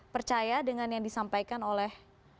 percaya dengan yang disampaikan oleh